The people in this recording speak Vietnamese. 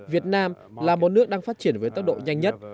việt nam là một nước đang phát triển với tốc độ nhanh nhất